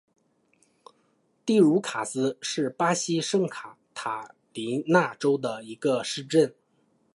蒂茹卡斯是巴西圣卡塔琳娜州的一个市镇。